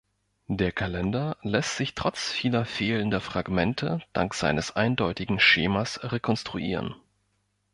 Der Kalender lässt sich trotz vieler fehlender Fragmente dank seines eindeutigen Schemas rekonstruieren.